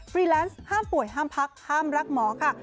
แลนซ์ห้ามป่วยห้ามพักห้ามรักหมอค่ะ